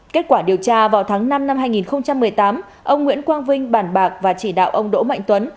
kết quả điều tra vào tháng năm năm hai nghìn một mươi tám ông nguyễn quang vinh bản bạc và chỉ đạo ông đỗ mạnh tuấn